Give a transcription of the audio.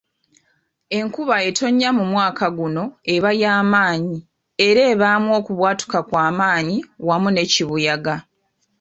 Enkuba etonnya mu mwaka guno eba yamaanyi era ebaamu okubwatuka kwamaanyi wamu ne kibuyaga.